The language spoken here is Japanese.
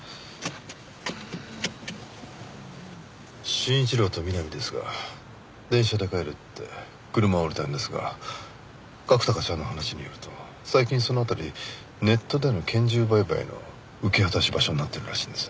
真一郎と美波ですが電車で帰るって車を降りたんですが角田課長の話によると最近その辺りネットでの拳銃売買の受け渡し場所になってるらしいんです。